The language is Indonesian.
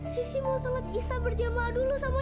sisi mau sholat isyah berjamah dulu sama ibu